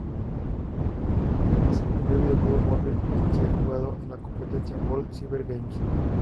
Es el primer videojuego móvil en ser jugado en la competencia World Cyber Games.